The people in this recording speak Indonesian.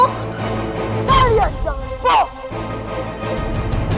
kalian jangan buk